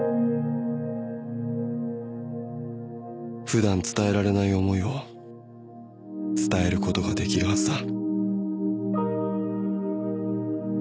［普段伝えられない思いを伝えることができるはずだ］